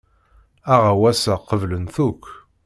Aɣawas-a qeblen-t akk.